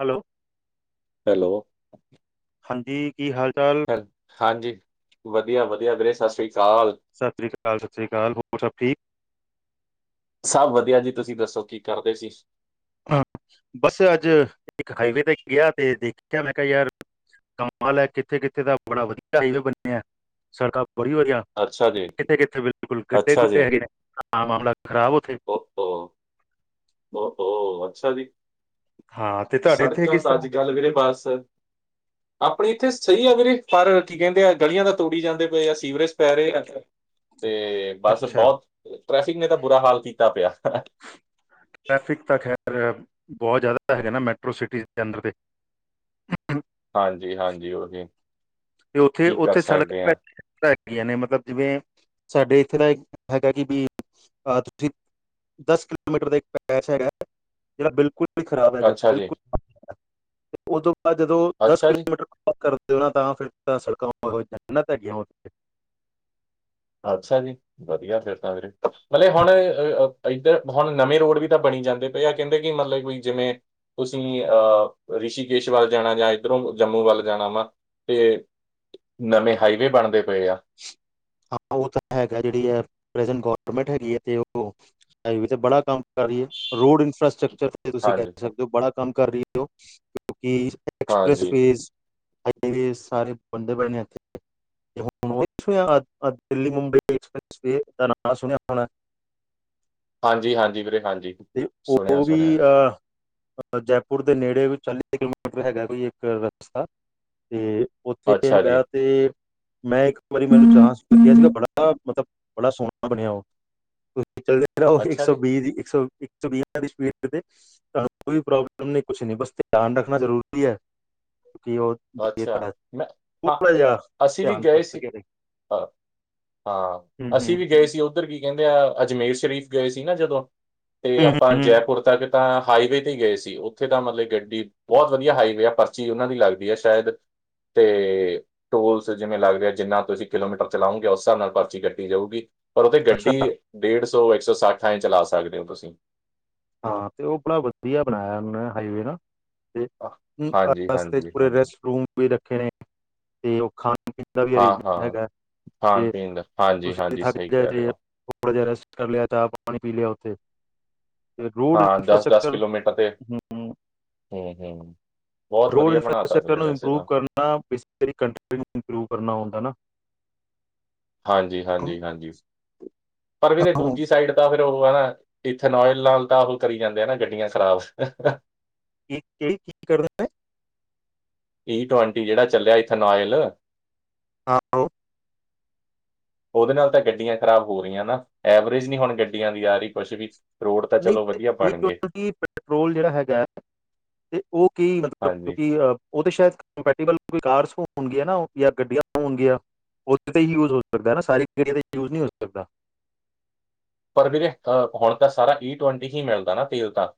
Hello. Hello. ਹਾਂਜੀ, ਕੀ ਹਾਲ-ਚਾਲ? ਹੈਲ ਹਾਂਜੀ, ਵਧੀਆ-ਵਧੀਆ ਵੀਰੇ, ਸਤਿ ਸ੍ਰੀ ਅਕਾਲ। ਸਤਿ ਸ੍ਰੀ ਅਕਾਲ, ਸਤਿ ਸ੍ਰੀ ਅਕਾਲ, ਹੋਰ ਸਭ ਠੀਕ? ਸਭ ਵਧੀਆ ਜੀ, ਤੁਸੀਂ ਦੱਸੋ ਕੀ ਕਰਦੇ ਸੀ? ਹਾਂ, ਬਸ ਅੱਜ ਇੱਕ ਹਾਈਵੇ ਦਾ ਗਿਆ ਤੇ ਦੇਖਿਆ ਮੈਂ ਕਿਹਾ, ਯਾਰ ਕਮਾਲ ਹੈ ਕਿੱਥੇ ਕਿੱਥੇ ਤਾਂ ਬੜਾ ਵਧੀਆ ਹਾਈਵੇ ਬਣਿਆ ਹੈ ਸੜਕਾਂ ਬੜੀ ਵਧੀਆ [unintelligible] ਅੱਛਾ ਜੀ ਕਿੱਥੇ ਕਿੱਥੇ ਬਿਲਕੁਲ ਅੱਛਾ ਗੱਡੇ-ਗੁੱਡੇ ਹੈਗੇ ਨੇ, ਆਮ ਮਾਮਲਾ ਖਰਾਬ ਉੱਥੇ ਓ, ਓ ਓਹੋ! ਅੱਛਾ ਜੀ। ਹਾਂ ਤੇ ਤੁਹਾਡੇ ਇੱਥੇ ਸੜਕਾਂ ਕਿਸ ਤਾਂ ਤਰ੍ਹਾਂ ਅੱਜ-ਕੱਲ ਵੀੇਰੇ ਬਸ ਆਪਣੀ ਇੱਥੇ ਸਹੀ ਆ ਵੀਰੇ, ਪਰ ਕੀ ਕਹਿੰਦੇ ਆ, ਗਲੀਆਂ ਤਾਂ ਤੋੜੀ ਜਾਂਦੇ ਪਏ ਆ, ਸੀਵਰੇਜ ਪੈ ਰਹੇ ਆ, ਤੇ ਬਸ ਅੱਛਾ ਬਹੁਤ ਟ੍ਰੈਫਿਕ ਨੇ ਤਾਂ ਬੁਰਾ ਹਾਲ ਕੀਤਾ ਪਿਆ, ਹਨਾ। ਟ੍ਰੈਫਿਕ ਤਾਂ ਖੈਰ। ਬਹੁਤ ਜ਼ਿਆਦਾ ਹੈਗੇ ਨਾ ਮੈਟਰੋ ਸਿਟੀ ਦੇ ਅੰਦਰ ਤੇ ਹਾਂਜੀ-ਹਾਂਜੀ, ਉਹੀ। ਤੇ ਉੱਥੇ ਕੀ ਕਰ ਉੱਥੇ ਸੜਕ ਸਕਦੇ ਆ ਹੈਗੀਆਂ ਨੇ ਮਤਲਬ ਜਿਵੇਂ ਸਾਡੇ ਇੱਥੇ ਦਾ ਹੈਗਾ ਕਿ ਵੀ ਅਹ ਤੁਸੀਂ [unintelligible] ਦਸ ਕਿਲੋਮੀਟਰ ਦਾ ਇੱਕ ਪੈਸ ਹੈਗਾ ਜਿਹੜਾ ਬਿਲਕੁਲ [unintelligible] ਖਰਾਬ ਹੈਗਾ ਅੱਛਾ ਜੀ ਬਿਲਕੁਲ ਉਹ ਤੋਂ ਬਾਅਦ ਜਦੋਂ ਦਸ ਅੱਛਾ ਜੀ ਕਿਲੋਮੀਟਰ [inaudible] [unintelligible] ਅੱਛਾ ਜੀ ਵਧੀਆ ਫਿਰ ਤਾਂ ਵੀਰੇ ਮਤਲਬ ਹੁਣ ਅ ਇੱਧਰ ਹੁਣ ਨਵੇਂ ਰੋਡ ਵੀ ਤਾਂ ਬਣੀ ਜਾਂਦੇ ਪਏ ਆ ਕਹਿੰਦੇ ਕਿ ਮਤਲਬਈ ਜਿਵੇਂ ਤੁਸੀਂ ਅਹ ਰਿਸ਼ੀਕੇਸ਼ ਵੱਲ ਜਾਣਾ ਜਾਂ ਇੱਧਰੋਂ ਜੰਮੂ ਵੱਲ ਜਾਣਾ ਵਾ ਤੇ ਨਵੇਂ ਹਾਈਵੇ ਬਣਦੇ ਪਏ ਆ ਹਾਂ ਉਹ ਤਾਂ ਹੈਗਾ ਜਿਹੜੀ ਹੈ ਪ੍ਰੈਜੈਂਟ ਗੌਰਮੈਂਟ ਹੈਗੀ ਹੈ ਤੇ ਉਹ ਹਾਈਵੇ ਤੇ ਬੜਾ ਕੰਮ ਕਰ ਰਹੀ ਹੈ ਰੋਡ ਇਨਫਰਾਸਟਰਕਚਰ ਤੁਸੀਂ ਕਹਿ ਹਾਂਜੀ ਸਕਦੇ ਹੋ ਬੜਾ ਕੰਮ ਕਰ ਰਹੀ ਹੋ ਕਿਉਂਕਿ ਐਕਸਪ੍ਰੈਸ ਹਾਂਜੀ ਵੇਅਜ਼ ਸਾਰੇ ਬੰਦੇ ਬੜੇ ਨੇ ਇਥੇ ਹੁਣ ਦਿੱਲੀ ਮੁੰਬਈ ਐਕਸਪ੍ਰੈਸ ਵੇ ਦਾ ਨਾਂ ਸੁਣਿਆ ਹੋਣਾ ਹਾਂਜੀ ਹਾਂਜੀ ਵੀਰੇ ਹਾਂਜੀ ਤੇ ਸੁਣਿਆ ਉਹ ਵੀ ਸੁਣਿਆ ਆ ਜੈਪੁਰ ਦੇ ਨੇੜੇ ਵੀ ਚਾਲੀ ਕਿਲੋਮੀਟਰ ਹੈਗਾ ਕੋਈ ਇੱਕ ਰਸਤਾ ਤੇ ਉੱਥੇ ਅੱਛਾ ਜੀ ਹੈਗਾ ਤੇ ਮੈਂ ਇੱਕ ਵਾਰੀ ਮੈਨੂੰ ਚਾਂਸ ਮਿਲ ਗਿਆ ਸੀ ਬੜਾ ਮਤਲਬ ਬੜਾ ਸੋਹਣਾ ਬਣਿਆ ਤੁਸੀਂ ਚਲਦੇ ਰਹੋ ਇੱਕ ਅੱਛਾ ਸੌ ਜੀ ਵੀਹ ਦੀ ਇੱਕ ਸੌ ਇੱਕ ਸੌ ਵੀਹ ਦੀ ਸਪੀਡ ਤੇ ਤੁਹਾਨੂੰ ਕੋਈ ਪ੍ਰੋਬਲਮ ਨ ਕੁਛ ਨ ਬਸ ਧਿਆਨ ਰੱਖਣਾ ਜ਼ਰੂਰੀ ਹੈ ਕਿ ਉਹ ਜੇ ਅੱਛਾ ਤੁਹਾਡਾ ਮੈਂ ਹਾਂ ਥੋੜਾ ਜਿਹਾ ਅਸੀਂ ਵੀ ਧਿਆਨ ਗਏ ਭਟਕ ਸੀ ਗਿਆ ਤੇ ਹਾਂ ਹਾਂ ਹੂੰ ਹੂੰ ਅਸੀਂ ਵੀ ਗਏ ਹੂੰ, ਸੀ ਉਥੇ ਉੱਧਰ ਕੀ ਕਹਿੰਦੇ ਆ ਅਜਮੇਰ ਸ਼ਰੀਫ਼ ਗਏ ਸੀ ਨਾ ਜਦੋਂ ਤੇ ਆਪਾਂ ਹੂੰ ਹੂੰ। ਜੈਪੁਰ ਤੱਕ ਤਾਂ ਹਾਈਵੇ ਤੇ ਹੀ ਗਏ ਸੀ ਉੱਥੇ ਹਾਈਵੇ ਤੇ ਗਏ ਸੀ ਉੱਥੇ ਤਾਂ ਮਤਲਬ ਗੱਡੀ ਬਹੁਤ ਵਧੀਆ ਹਾਈਵੇ ਆ ਪਰਚੀ ਉਹਨਾਂ ਦੀ ਲੱਗਦੀ ਆ ਸ਼ਾਇਦ ਤੇ ਟੋਲਸ ਜਿਵੇਂ ਲੱਗਦੇ ਆ ਜਿੰਨਾ ਟੂਲਸ ਜਿਵੇਂ ਲੱਗਦੇ ਆ ਜਿੰਨਾ ਤੁਸੀਂ ਕਿਲੋਮੀਟਰ ਚਲਾਓਗੇ ਉਸ ਹਿਸਾਬ ਨਾਲ ਪਰਚੀ ਕੱਟੀ ਜਾਊਗੀ ਪਰ ਉੱਥੇ ਗੱਡੀ ਅੱਛਾ ਡੇਢ ਸੌ ਇੱਕ ਸੌ ਸੱਠ ਆਏ ਚਲਾ ਸਕਦੇ ਹੋ ਤੁਸੀਂ ਹਾਂ ਤੇ ਉਹ ਬੜਾ ਵਧੀਆ ਬਣਾਇਆ ਉਹ ਹਾਈਵੇ ਨਾ ਅਹ, ਹਾਂਜੀ ਰਸਤੇ ਚ ਹਾਂਜੀ ਪੂਰੇ ਹਾਂਜੀ ਰੈਸਟ ਰੂਮ ਵੀ ਰੱਖੇ ਨੇ ਤੇ ਉਹ ਖਾਣ [unintelligible] ਦਾ ਹਾਂ ਹਾਂ ਅਰੇਜਮਟਗਾ ਖਾਣ ਤੇ ਪੀਣ ਦਾ ਹਾਂਜੀ ਹਾਂਜੀ ਤੁਸੀਂਥ ਸਹੀ ਜਾ ਕਹਿ ਰਹੇ [unintelligible] ਹੋ ਥੋੜਾ ਜਿਹਾ ਰੈਸਟ ਲਿਆ ਚ ਪਾਣੀ ਪੀ ਲਿਆ ਉੱਥੇ। ਤੇ ਰੋਡ ਹਾਂ ਦਸ-ਦਸ ਇਨਫਰਾਸਟ੍ਰਕਚਰ ਕਿਲੋਮੀਟਰ ਤੇ ਹੂੰ-ਹੂੰ, ਬਹੁਤ ਰੋਡ ਵਧੀਆ ਬਣਾ ਤਾ ਇਨਫਰਾਸਟ੍ਰਕਚਰ ਇਸਨੇ ਨੂੰ ਵੈਸੇ ਇੰਪਰੂਵ ਤਾਂ, ਕਰਨਾ ਹੁੰਦਾ ਨਾ, ਹਾਂਜੀ-ਹਾਂਜੀ-ਹਾਂਜੀ, [inaudible] ਪਰ ਵੀ ਤੇ ਆਹੋ ਦੂਜੀ ਸਾਈਡ, ਤਾਂ ਫ਼ਿਰ ਉਹ ਹਨਾ, ਇੱਥੇ ਨੋਇਲ ਨਾਲ ਤਾਂ ਉਹ ਕਰੀ ਜਾਂਦੇ ਆ ਨਾ ਗੱਡੀਆਂ ਖਰਾਬ। ਕੀ ਕੀ ਕਰਨਾ, ਈ ਟਵੰਟੀ ਜਿਹੜਾ ਚੱਲਿਆ ਇਥੇਨੋਇਲ ਆਹੋ [inaudible] ਉਹਦੇ ਨਾਲ ਤਾਂ ਗੱਡੀਆਂ ਖਰਾਬ ਹੋ ਰਹੀਆਂ, ਨਾ ਐਵਰੇਜ ਨਹੀਂ ਹੁਣ ਗੱਡੀਆਂ ਦੀ ਆ ਰਹੀ ਕੁਛ ਵੀ। ਰੋਡ ਤਾਂ ਨਹੀਂ ਚਲੋ ਤੇ ਵਧੀਆ ਬਣ ਗਏ ਪੈਟਰੋਲ ਜਿਹੜਾ ਹੈਗਾ ਤੇ ਉਹ ਕੀ ਮਤਲਬ ਹਾਂਜੀ ਕਿਉਂਕਿ ਉਹ ਤਾਂ ਸ਼ਾਇਦ [unintelligible] ਕੋਈ ਕਾਰਸ ਹੋਣਗੀਆਂ ਨਾ ਜਾਂ ਗੱਡੀਆਂ ਹੋਣਗੀਆਂ ਉਥੇ ਤੇ ਹੀ ਯੂਜ ਹੋ ਸਕਦਾ ਨਾ ਸਾਰੀ ਯੂਜ ਨਹੀਂ ਹੋ ਸਕਦਾ ਪਰ ਵੀਰੇ ਹੁਣ ਤਾਂ ਸਾਰਾ ਈ ਟਵੰਟੀ ਹੀ ਮਿਲਦਾ ਹੈ ਸਾਰਾ ਤੇਲ ਤਾਂ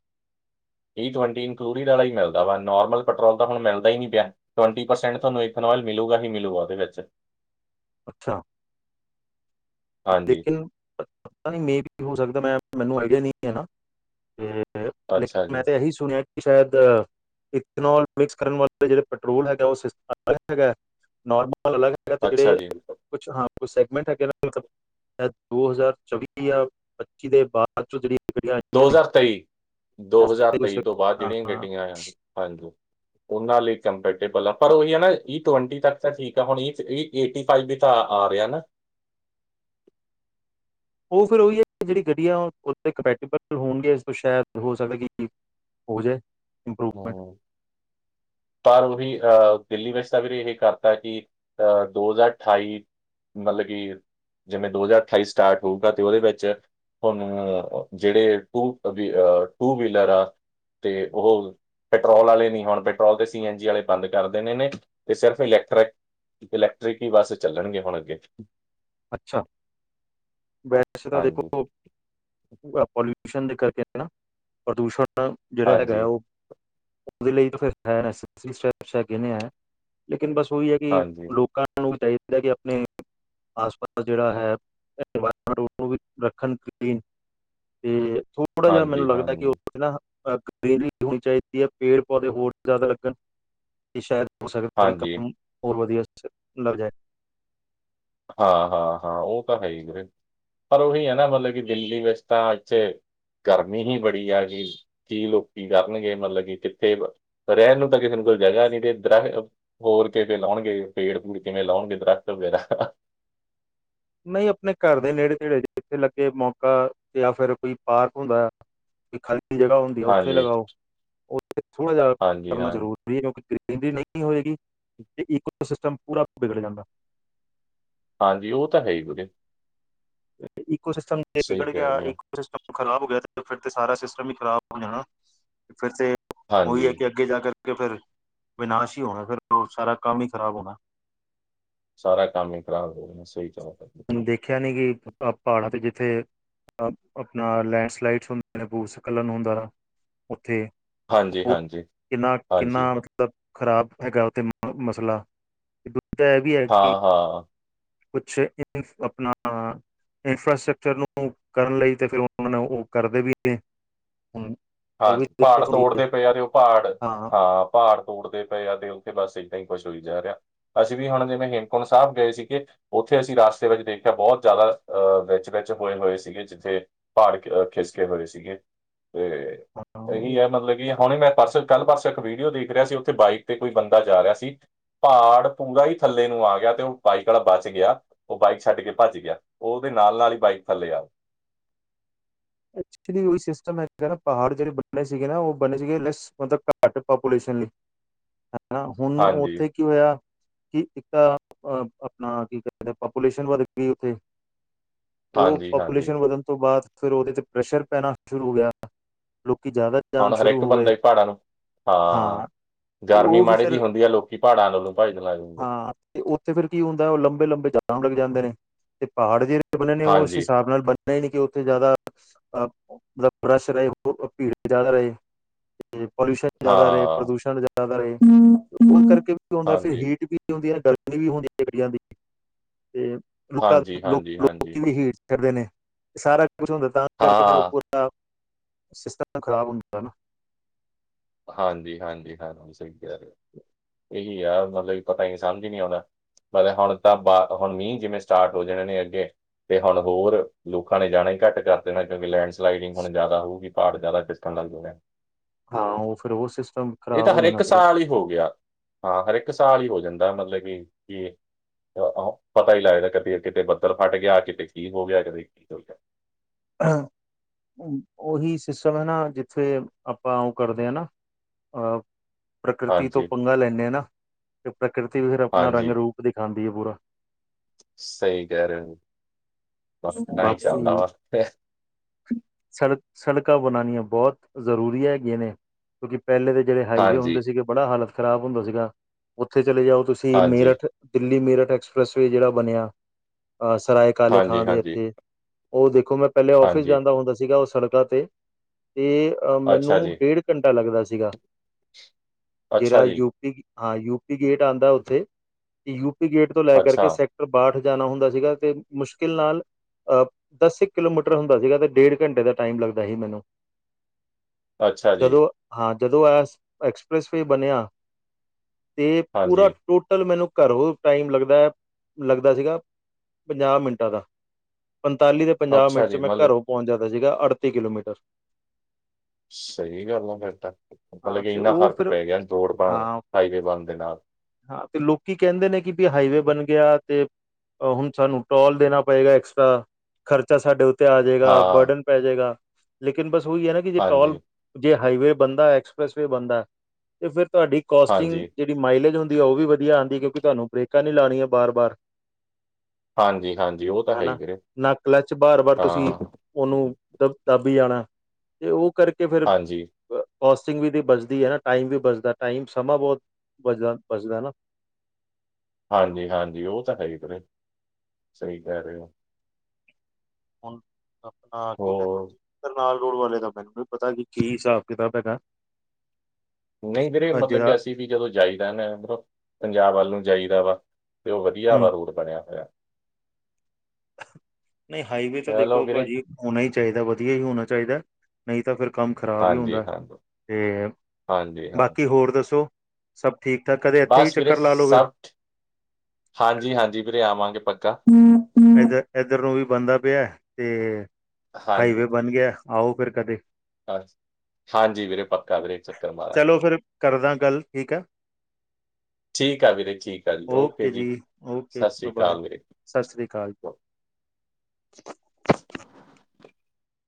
ਟਵੰਟੀ ਇਨਕਲੂਡਿੰਗ ਵਾਲਾ ਹੀ ਮਿਲਦਾ ਵਾ ਨੋਰਮਲ ਪੈਟਰੋਲ ਤਾਂ ਹੁਣ ਮਿਲਦਾ ਹੀ ਨਹੀਂ ਪਿਆ ਟਵੰਟੀ ਪਰਸੈਂਟ ਤੁਹਾਨੂੰ ਇਥਨੋਇਲ ਮਿਲੂਗਾ ਹੀ ਮਿਲੂਗਾ ਉਹਦੇ ਵਿੱਚ ਅੱਛਾ, ਹਾਂਜੀ ਲੇਕਨ ਪਤਾ ਨੀ ਵੀ ਹੋ ਸਕਦਾ ਮੈਂ ਮੈਨੂੰ ਆਈਡੀਆ ਨਹੀਂ ਹੈ ਨਾ, ਲੇ ਅੱਛਾ ਜੀ ਮੈਂ ਤਾਂ ਇਹੀ ਸੁਣਿਆ, ਕਿ ਸ਼ਾਇਦ ਇਥੇਨੋਲ ਮਿਕਸ ਕਰਨ ਵਾਲੇ ਜਿਹੜੇ ਪੈਟਰੋਲ ਹੈਗਾ ਉਹ ਸਿਸਟਮ ਅਲਗ ਹੈਗਾ। ਨੋਰਮਲ ਅਲੱਗ ਹੈਗਾ, ਅੱਛਾ ਜਿਹੜੇ ਜੀ ਕੁਛ ਹਾਂ ਕੁ ਸੈਗਮੈਂਟ ਹੈਗੇ। [unintelligible] ਦੋ ਹਜ਼ਾਰ ਚੌਵੀ ਜਾਂ ਪੱਚੀ ਦੇ ਬਾਅਦ ਸੱਚੋ ਜਿੜੀ [unintelligible] ਦੋ ਹਜ਼ਾਰ ਤੇਈ ਦੋ ਉਸ ਤੇ ਹਜ਼ਾਰ ਕੁਝ ਤੇਈ ਤੋਂ ਬਾਅਦ ਹਾਂ ਜਿਹੜੀਆਂ, ਹਾਂ ਗੱਡੀਆਂ ਹਾਂਜੀ, ਉਹਨਾਂ ਲਈ ਕੰਪੈਟੇਬਲ ਆ ਪਰ ਉਹੀ ਹੈ, ਨਾ ਈ ਟਵੰਟੀ ਤੱਕ ਤਾਂ ਠੀਕ ਆ ਹੁਣ ਏਟੀ ਫਾਈਵ ਵੀ ਤਾਂ ਆ ਰਿਹਾ ਨਾ, ਉਹ ਫਿਰ ਉਹੀ ਹੈ, ਕਿ ਜਿਹੜੀ ਗੱਡੀ ਆ ਉਥ ਕੰਪੈੇਟੀਬਲ ਹੋਣਗੇ ਇਸ ਤੋਂ ਸ਼ਾਇਦ ਹੋ ਸਕੇ। ਹੋ ਜਾਏ ਇੰਪਰੂਵਮੈਂਟ, ਹਮ, ਪਰ ਉਹੀ ਅਹ ਦਿੱਲੀ ਵਿੱਚ ਤਾਂ ਫਿਰ ਇਹ ਕਰਤਾ, ਕਿ ਅਹ ਦੋ ਹਜ਼ਾਰ ਅਠਾਈ ਮਤਲਬ ਕਿ ਜਿਵੇਂ, ਦੋ ਹਜ਼ਾਰ ਅਠਾਈ ਸਟਾਰਟ ਹੋਊਗਾ ਤੇ ਉਹਦੇ ਵਿੱਚ ਹੁਣ ਜਿਹੜੇ ਟੂ ਵੀ ਟੂ ਵੀਲਰ ਆ। ਤੇ ਉਹ ਪੈਟਰੋਲ ਵਾਲੇ ਨੀ ਹੋਣ, ਦੇ ਸੀ ਐਨ ਜੀ ਵਾਲੇ ਬੰਦ ਕਰ ਦੇਣੇ ਨੇ ਤੇ ਸਿਰਫ ਇਲੈਕਟ੍ਰਿਕ, ਇਲੈਕਟ੍ਰਿਕ ਹੀ ਬੱਸ ਚੱਲਣਗੇ, ਹੁਣ ਅੱਗੇ ਅੱਛਾ ਵੈਸੇ ਤਾਂ ਹਾਂਜੀ ਦੇਖੋ, [unintelligible] ਪੋਲਿਊਸ਼ਨ ਦੇ ਕਰਕੇ ਨਾ ਪ੍ਰਦੂਸ਼ਣ ਜਿਹੜਾ ਹੈਗਾ ਹੈ, ਹਾਂਜੀ ਉਹ ਉਹਦੇ ਲੇਕਿਨ ਬਸ ਉਹੀ ਹੈ। ਕਿ ਹਾਂਜੀ ਲੋਕਾਂ ਨੂੰ ਵੀ ਚਾਹੀਦਾ ਕਿ ਆਪਣੇ, ਆਸ ਪਾਸ ਜਿਹੜਾ ਹੈ ਇਵਾਮਟ ਉਹ ਰੱਖਣ ਕਲੀਨ ਅਤੇ, ਥੋੜਾ ਜਿਹਾ ਮੈਨੂੰ ਹਾਂਜੀ ਲੱਗਦਾ, ਕਿ ਹਾਂਜੀ ਨਾ ਗਰੀਨਰੀ ਹੋਣੀ ਚਾਹੀਦੀ ਹੈ, ਪੇੜ ਪੌਦੇ ਹੋਰ ਜ਼ਿਆਦਾ ਲੱਗਣ ਇਹ ਸ਼ਾਇਦ ਹੋ ਸਕਦਾ, ਕਿ ਹਾਂਜੀ ਕੰਮ ਹੋਰ ਵਧੀਆ ਲੱਗ ਜਾਏ। [unintelligible] ਹਾਂ-ਹਾਂ-ਹਾਂ, ਉਹ ਤਾਂ ਹੈ ਹੀ ਪਰ ਉਹੀ ਹੈ, ਨਾ ਮਤਲਬ ਕਿ ਦਿੱਲੀ ਵਿੱਚ ਤਾਂ ਇੱਥੇ ਗਰਮੀ ਹੀ ਬੜੀ ਆਗੀ। ਕੀ ਲੋਕ ਕਰਨਗੇ ਮਤਲਬ, ਕਿ ਕਿੱਥੇ ਰਹਿਣ ਨੂੰ ਤਾਂ ਕਿਸੇ ਨੂੰ ਕੋਈ ਜਗ੍ਹਾ ਨੀ ਤੇ ਦ ਹੋਰ ਕਿਵੇਂ ਲਾਉਣਗੇ, ਪੇੜ ਫੂੜ ਕਿਵੇਂ ਲਾਣਗੇ ਦਰਖਤ ਵਗੈਰਾ ਨਹੀਂ ਆਪਣੇ ਘਰ ਦੇ ਨੇੜੇ-ਤੇੜੇ ਇੱਥੇ ਲੱਗੇ ਮੌਕਾ ਜਾਂ ਫਿਰ ਕੋਈ ਪਾਰਕ ਹੁੰਦਾ। ਖਾਲੀ ਜਗ੍ਹਾ ਹੁੰਦੀ ਆ ਉੱਥੇ ਹਾਂਜੀ ਲਗਾਓ ਉਥੇ ਥੋੜਾ ਜਿਹਾ ਹਾਂਜੀ ਕਰਨਾ ਹਾਂ ਜ਼ਰੂਰੀ ਕਿਉਂਕਿ ਗਨਰੀ ਨਹੀਂ ਹੋਏਗੀ ਤੇ ਈੋ ਸਿਸਟਮ ਪੂਰਾ ਵਿਗੜ ਜਾਂਦਾ ਹਾਂਜੀ ਉਹ ਤਾਂ ਹੈ ਹੀ ਵੀਰੇ ਈਕੋ ਸਿਸਟਮ ਤੇ ਸਹੀ ਵਿਗੜ ਗਿਆ ਕਹਿ ਰਹੇ ਹੋ ਸਿਸਟਮ ਖ਼ਰਾਬ ਹੋ ਗਿਆ ਤੇ ਫਿਰ ਤੇ ਸਾਰਾ ਸਿਸਟਮ ਹੀ ਖਰਾਬ ਹੋ ਜਾਣਾ ਫਿਰ ਤੇ ਉਹੀ ਹਾਂਜੀ ਹੈ ਕਿ [unintelligible] ਇਹਨਾ ਕਰਕੇ ਫਿਰ ਬਿਨਾਸ਼ ਹੀ ਹੋਣਾ ਸਾਰਾ ਕੰਮ ਹੀ ਖ਼ਰਾਬ ਹੋਣਾ ਸਾਰਾ ਕੰਮ ਹੀ ਖਰਾਬ ਹੋ ਜਾਣਾ ਸਹੀ ਚ ਕਰ ਮੈਨੂੰ ਦੇਖਿਆ ਨੀ ਕਿ ਪਹਾੜਾਂ ਤੇ ਜਿੱਥੇ ਆਪਣਾ ਲੈਂਡਸਲਾਈਡਸ ਹੁੰਦੇ ਨੇ ਬੂਸਕਕਲਨ ਹੁੰਦਾ ਉੱਥੇ ਹਾਂਜੀ ਉਹ ਹਾਂਜੀ ਕਿੰਨਾ ਕਿੰਨਾ ਹਾਂਜੀ ਮਤਲਬ ਮਤਲਬ ਖ਼ਰਾਬ ਹੈਗਾ ਉੱਥੇ ਮਸਲਾ ਤੇ ਦੂਜਾ ਇਹ ਵੀ ਹੈ ਹਾਂ ਕਿ ਹਾਂ ਕੁਛ ਆਪਣਾ [unintelligible] ਇਨਫਰਾਸਟਕਚਰ ਨੂੰ ਕਰਨ ਲਈ ਤੇ ਫਿਰ ਉਹਨਾਂ ਨੇ ਉਹ ਕਰਦੇ ਵੀ ਨੇ ਉਹ ਵੀ ਹਾਂਜੀ ਪਹਾੜ ਦਿੱਕਤ ਹੁੰਦੀ ਹੈ ਤੋੜਦੇ ਪਏ ਆ, ਤੇ ਉਹ ਪਹਾੜ ਹਾਂ। ਪਹਾੜ ਤੋੜਦੇ ਪਏ ਆ ਤੇ ਉੱਥੇ ਬਸ ਏਦਾਂ ਹੀ ਖੁਸ਼ ਹੋਈ ਜਾ ਰਿਹਾ। ਅਸੀਂ ਵੀ ਹੁਣ ਜਿਵੇਂ ਹੇਮਕੁੰਟ ਸਾਹਿਬ ਗਏ ਸੀਗੇ। ਉੱਥੇ ਅਸੀਂ ਰਸਤੇ ਵਿੱਚ ਦੇਖਿਆ, ਬਹੁਤ ਜ਼ਿਆਦਾ ਅਹ ਵਿੱਚ ਵਿੱਚ ਹੋਏ ਹੋਏ ਸੀਗੇ ਜਿੱਥੇ। ਪੜ ਖਿਸਕੇ ਹੋਏ ਸੀਗੇ, ਹਾਂ ਇਹੀ ਹੈ ਮਤਲਬ ਕਿ ਹੁਣੇ ਮੈਂ ਪਰਸੋਂ ਕੱਲ੍ਹ ਪਰਸੋਂ ਇੱਕ ਵੀਡੀਓ, ਦੇਖ ਰਿਹਾ ਸੀ ਉੱਥੇ ਬਾਈਕ ਤੇ ਕੋਈ ਬੰਦਾ ਜਾ ਰਿਹਾ ਸੀ। ਪਹਾੜ ਪੂਰਾ ਹੀ ਥੱਲੇ ਨੂੰ ਆ ਗਿਆ ਤੇ ਉਹ ਬਾਈਕ ਵਾਲਾ ਬਚ ਗਿਆ ਉਹ ਬਾਈਕ ਛੱਡ ਕੇ ਭੱਜ ਗਿਆ ਉਹ ਉਹਦੇ ਨਾਲ ਨਾਲ ਹੀ ਬਾਈਕ ਥੱਲੇ ਆ ਐਕਚੁਲੀ ਉਹੀ ਸਿਸਟਮ ਹੈਗਾ ਨਾ ਪਹਾੜ ਜਿਹੜੇ ਬਣੇ ਸੀਗੇ ਨਾ ਉਹ ਬਣੇ ਸੀਗੇ ਮਤਲਬ ਘੱਟ ਪਪੂਲੇਸ਼ਨ ਲਈ [inaudible] ਹਨਾ ਹੁਣ ਹਾਂਜੀ ਉੱਥੇ ਕੀ ਹੋਇਆ ਕਿ ਇੱਕ ਆਪਣਾ ਕੀ ਕਦੇ ਪਾਪੂਲੇਸ਼ਨ ਵਧ ਗਈ ਉੱਥੇ ਉਹ ਹਾਂਜੀ ਹਾਂਜੀ ਪਾਪੂਲੇਸ਼ਨ ਵਧਣ ਤੋਂ ਬਾਅਦ ਫਿਰ ਉਹਦੇ ਤ ਪ੍ਰਸ਼ਰ ਪੈਣਾ ਸ਼ੁਰੂ ਹੋ ਗਿਆ ਲੋਕੀ ਜ਼ਿਆਦਾ ਜਾਣ ਹੁਣ ਸ਼ੁਰੂ ਹਰੇਕ ਹੋ ਬੰਦਾ ਗਏ ਹੀ ਪਹਾੜਾਂ ਨੂੰ ਹਾਂ। ਤੇ ਗਰਮੀ ਉਹ ਵੀ ਮਾੜੀ ਫਿਰ ਜਹੀ ਹੁੰਦੀ ਲੋਕੀ ਪਹਾੜਾਂ ਵੱਲ ਭੱਜਨ ਲੱਗ ਜਾਂਦੇ। ਹਾਂ ਤੇ ਉੱਥੇ ਫ਼ਿਰ ਕੀ ਹੁੰਦਾ ਉਹ ਲੰਬੇ ਲੰਬੇ ਜਾਮ ਲੱਗ ਜਾਂਦੇ ਨੇ ਤੇ ਪਹਾੜ ਜਿਹੜੇ ਬਣੇ ਨੇ ਉਹ ਉਸ ਹਾਂਜੀ ਹਿਸਾਬ ਨਾਲ ਬ ਨੀ ਕਿ ਉੱਥੇ ਜ਼ਿਆਦਾ ਮਤਲਬ ਪ੍ਰਸ਼ਰ ਰਹੇ ਹੋਰ ਭੀੜ ਜ਼ਿਆਦਾ ਰਹੈ। ਪੋਲਿਊਸ਼ਨ ਜ਼ਿਆਦਾ ਰਹੇ ਹਾਂ ਪ੍ਰਦੂਸ਼ਣ ਜ਼ਿਆਦਾ ਰਹੇ ਉਸ ਕਰਕੇ ਹੁੰਦਾ ਫਿਰ ਹਾਂਜੀ ਹੀਟ ਵੀ ਹੁੰ ਗਰਮੀ ਵੀ ਹੁੰਦੀ ਗੱਡੀਆਂ ਦੀ ਤੇ ਲੋਕਾਂ ਹਾਂਜੀ ਹਾਂਜੀ ਹਾਂਜੀ ਹੀਟ ਕਰਦੇ ਨੇ ਸਾਰਾ ਕੁਛ ਹੁੰਦਾ ਤਾਂ ਹਾਂ ਕਰਕੇ ਫਿਰ ਉੱਪਰ ਸਿਸਟਮ ਖ਼ਰਾਬ ਹੁੰਦਾ ਨਾ। ਹਾਂਜੀ ਹਾਂਜੀ ਹਾਂ ਸਹੀ ਕਹਿ ਰਹੇ। ਹੋ। [inaudible] ਇਹੀ ਆਹ ਮਤਲਬ ਕਿ ਪਤਾ ਹੀ ਸਮਝ ਹੀ ਨਹੀਂ ਆਉਦਾ। ਹੁਣ ਤਾਂ ਬਾਦ ਹੁਣ ਮੀਂਹ ਜਿਵੇਂ ਸਟਾਰਟ ਹੋ ਜਾਣੇ ਨੇ ਅੱਗੇ। ਤੇ ਹੁਣ ਹੋਰ ਲੋਕਾਂ ਨੇ ਜਾਣਾ ਹੀ ਘੱਟ ਕਰ ਦੇਣਾ ਕਿਉਂਕਿ ਲੈਂਡ ਸਲਾਈਡਿੰਗ ਹੁਣ ਜ਼ਿਆਦਾ ਹੋਊਗੀ ਪਹਾੜ ਜ਼ਿਆਦਾ ਫਿਸਲਨ ਲੱਗ ਜਾਨੇ। ਹਾਂ ਉਹ ਫਿਰ ਉਹ ਸਿਸਟਮ ਇਹ ਖ਼ਰਾਬ ਤਾਂ ਹੋ ਹਰ ਜਾਣਾ ਇੱਕ ਫਿਰ ਸਾਲ ਹੀ ਹੋ ਗਿਆ ਹਾਂ ਹਰ ਇੱਕ ਸਾਲ ਹੀ ਹੋ ਜਾਂਦਾ ਮਤਲਬ ਕਿ ਕਿ ਪਤਾ ਹੀ ਲੱਗਦਾ ਕਦੇ ਕਿਤੇ ਬੱਦਲ ਫਟ ਗਿਆ ਕਿਤੇ ਕੀ ਹੋ ਗਿਆ ਕਦੇ ਕੀ ਚਲ ਗਿਆ? ਹਾਂ। ਉਹੀ ਸਿਸਟਮ ਹੈ ਨਾ ਜਿੱਥੇ ਆਪਾਂ ਉਹ ਕਰਦੇ ਹਾਂ ਨਾ ਅਹ ਪ੍ਰਕਿਰਿਤੀ ਤੋਂ ਹਾਂਜੀ ਪੰਗਾ ਲੈਂਦੇ ਹਾਂ ਨਾ ਤੇ ਪ੍ਰਕਿਰਤੀ ਫਿਰ ਆਪਣਾ ਰੰਗ ਹਾਂਜੀ ਰੂਪ ਦਿਖਾਉਂਦੀ ਹੈ ਪੂਰਾ। ਸਹੀ ਕਹਿ ਰਿਹਾ ਮੈਂ ਹੀ ਚੱਲਦਾ ਬਾਕੀ ਵਾ। ਸੜਕਾਂ ਬਣਾਉਣੀਆਂ ਬਹੁਤ ਜ਼ਰੂਰੀ ਹੈਗੀਆਂ ਨੇ। ਕਿਉਂਕਿ ਪਹਿਲੇ ਦੇ ਜਿਹੜੇ ਹਾਈਵੇ ਹਾਂਜੀ ਹੁੰਦੇ ਸੀਗੇ ਬੜਾ ਹਾਲਤ ਖ਼ਰਾਬ ਹੁੰਦਾ ਸੀਗਾ। ਉੱਥੇ ਚਲੇ ਜਾਓ ਤੁਸੀਂ ਹਾਂਜੀ ਮੇਰਠ ਦਿੱਲੀ ਮੇਰਠ ਐਕਸਪ੍ਰੈਸ ਵੀ ਜਿਹੜਾ ਬਣਿਆ ਸਰਾਏ ਕਾਲੇ ਹਾਂਜੀ ਖਾਂ ਦੇ ਹਾਂਜੀ ਇੱਥੇ ਉਹ ਦੇਖੋ ਮੈਂ ਪਹਿਲੇ ਆਫਿਸ ਹਾਂਜੀ ਜਾਂਦਾ ਹੁੰਦਾ ਸੀਗਾ ਉਹ ਸੜਕਾਂ ਤੇ ਤੇ ਮੈਨੂੰ ਅੱਛਾ ਜੀ ਡੇਢ ਘੰਟਾ ਲੱਗਦਾ ਸੀਗਾ ਅੱਛਾ ਜਿਹੜਾ ਜੀ ਯੂਪੀ ਹਾਂ ਯ ਗੇਟ ਆਉਂਦਾ ਉੱਥੇ ਯੂਪੀ ਗੇਟ ਤੋਂ ਲੈ ਕਰ ਅੱਛਾ ਕੇ ਸੈਕ ਬਾਠ ਜਾਣਾ ਹੁੰਦਾ ਸੀਗਾ ਤੇ ਮੁਸ਼ਕਿਲ ਨਾਲ ਦਸ ਇੱਕ ਕਿਲੋਮੀਟਰ ਹੁੰਦਾ ਸੀਗਾ ਤੇ ਡੇਢ ਘੰਟੇ ਦਾ ਟਾਈਮ ਲੱਗਦਾ ਸੀ ਮੈਨੂੰ ਅੱਛਾ ਜੀ ਜਦੋਂ ਹਾਂ ਜਦੋਂ ਆ ਐਕਸਪ੍ਰੈਸਵੇ ਬਣਿਆ ਤੇ, ਪੂਰਾ ਹਾਂਜੀ ਟੋਟਲ ਮੈਨੂੰ ਘਰੋਂ ਟਾਈਮ ਲੱਗਦਾ ਲੱਗਦਾ ਸੀਗਾ ਪੰਜਾਹ ਮਿੰਟਾਂ ਦਾ ਪੰਤਾਲੀ ਤੋਂ ਪੰਜਾਹ ਅੱਛਾ ਮਿੰਟ ਚ ਜੀ ਮੈਂ ਮਤਲਬ ਘਰੋਂ ਪਹੁੰਚ ਜਾਂਦਾ ਸੀਗਾ ਅੜਤੀ ਕਿਲੋਮੀਟਰ ਸਹੀ ਗੱਲ ਆ ਫਿਰ ਤਾਂ ਮਤਲਬ ਹਾਂ ਕਿ ਤੇ ਇੰਨਾ ਉਹ ਫਰਕ ਫਿਰ ਪੈ ਗਿਆ ਰੋਡ ਬਣਨ ਹਾਂ ਹਾਈਵੇ ਬਣਨ ਦੇ ਨਾਲ। ਹਾਂ, ਤੇ ਲੋਕੀ ਕਹਿੰਦੇ ਨੇ ਕਿ ਵੀ ਹਾਈਵੇ ਬਣ ਗਿਆ ਤੇ ਹੁਣ ਸਾਨੂੰ ਟੋਲ ਦੇਣਾ ਪਏਗਾ ਐਕਸਟਰਾ ਖਰਚਾ ਸਾਡੇ ਉੱਤੇ ਆ ਹਾਂ ਜਾਏਗਾ ਬਰਡਨ ਪੈ ਜਾਏਗਾ। ਲੇਕਿਨ ਬਸ ਉਹੀ ਹੈ ਨਾ ਕਿ ਜੇ ਹਾਂਜੀ ਟੋਲ ਜੇ ਹਾਈਵੇ ਬਣਦਾ ਐਕਸਪ੍ਰੈਸ ਵੀ ਬਣਦਾ ਤੇ ਫਿਰ ਤੁਹਾਡੀ ਕੋਸਟਿੰਗ ਹਾਂਜੀ ਜਿਹੀ ਮਾਈਲੇਜ ਹੁੰਦੀ ਉਹ ਵੀ ਵਧੀਆ ਆਉਂਦੀ ਕਿਉਂਕ ਤੁਹਾਨੂੰ ਬਰੇਕਾਂ ਨੀ ਲਾਣੀਆਂ ਬਾਰ ਬਾਰ ਹਾਂਜੀ ਹਾਂਜੀ ਉਹ ਤਾਂ ਹੈ ਹਨਾ ਵੀ ਨਾ ਕਲਚ ਬਾਰ ਬਾਰ ਤੁਸੀਂ ਉਹਨੂੰ ਦਬ ਦੱਬ ਹੀ ਜਾਣਾ ਤੇ ਉਹ ਕਰਕੇ ਕਿ ਫੇਰ ਹਾਂਜੀ ਕੋਸਟਿੰਗ ਵੀ ਤਾਂ ਬਚਦੀ ਹੈ ਨਾ ਟਾਈਮ ਵੀ ਬਚਦਾ ਟਾਈਮ ਸਮਾਂ ਬਹੁਤ ਬਚਦਾ ਬਚਦਾ ਹੈ ਨਾ ਹਾਂਜੀ- ਹਾਂਜੀ ਉਹ ਤਾਂ ਹੈ ਪਰੇ ਸਹੀ ਕਹਿ ਰਹੇ ਹੋ ਹੁਣ ਆਪਣਾ ਕੀ ਉਹ ਕਹਿੰਦੇ ਕਰਨਾਲ ਰੋਡ ਵਾਲੇ ਦਾ ਮੈਨੂੰ ਪਤਾ ਨੀ ਕੀ ਹਿਸਾਬ ਕਿਤਾਬ ਹੈਗਾ ਨਹੀਂ ਵੀਰੇ ਮਤਲਬ ਜਿਹੜਾ ਕਿ ਅਸੀਂ ਵੀ ਜਦੋਂ ਜਾਈਦਾ ਇਹ ਮੋ ਪੰਜਾਬ ਵੱਲ ਨੂੰ ਜਾਈਦਾ ਵਾ ਤੇ ਉਹ ਵਧੀਆ ਹੂੰ, ਵਾ ਰੂਟ ਬਣਿਆ ਹੋਇਆ ਨਹੀਂ ਹਾਈਵੇ ਤਾਂ ਚਲੋ ਦੇਖੋ ਵੀਰੇ ਭਾਜੀ ਹੋਣਾ ਹੀ ਚਾਹੀਦਾ ਵਧੀਆ ਹੀ ਹੋਣਾ ਚਾਹੀਦਾ ਨਹੀਂ ਤਾਂ ਫਿਰ ਕੰਮ ਖਰਾਬ ਹੀ ਹਾਂਜੀ ਹੁੰਦਾ ਹਾਂਜੀ ਤੇ ਹਾਂਜੀ ਹਾਂ ਬਾਕੀ ਹੋਰ ਦੱਸੋ ਸਭ ਠੀਕ- ਠਾਕ, ਕਦੇ ਇੱਥੇ ਵੀ ਬਸ ਵੀਰੇ ਚੱਕਰ ਲਾ ਲਓ ਫਿਰ ਸਭ ਠ- ਹਾਂਜੀ -ਹਾਂਜੀ ਵੀਰੇ ਆਵਾਂਗੇ ਪੱਕਾ ਇਧਰ ਇੱਧਰ ਨੂੰ ਵੀ ਬਣਦਾ ਪਿਆ ਤੇ ਹਾਈਵੇ ਬਣ ਗਿਆ ਆਓ ਫਿਰ ਕਦੇ ਅ ਹਾਂਜੀ ਵੀਰੇ ਪੱਕਾ ਇਕ ਚੱਕਰ ਚਲੋ ਮਾਰਾਂਗੇ ਫਿਰ ਕਰਦਾ ਗੱਲ ਠੀਕ ਹੈ ਠੀਕ ਆ ਵੀਰੇ ਠੀਕ ਆ ਜੀ ਓਕੇ ਜੀ ਓਕੇ ਸਤਿ ਸ਼੍ਰੀ ਬਾਏ ਬਾਏ, ਅਕਾਲ ਵੀਰੇ ਸਤਿ ਸ੍ਰੀ ਅਕਾਲ।